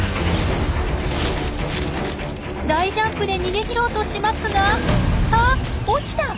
大ジャンプで逃げきろうとしますがあっ落ちた！